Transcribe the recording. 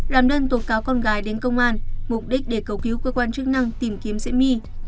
làm đơn tố cáo con gái đến công an mục đích để cầu cứu cơ quan chức năng tìm kiếm diễm my